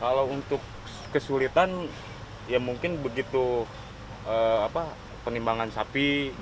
kalau untuk kesulitan ya mungkin begitu penimbangan sapi